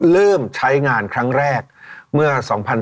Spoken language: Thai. เริ่มใช้งานครั้งแรกเมื่อ๒๕๕๙